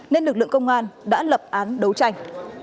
nên lực lượng công an đã lập án đấu tranh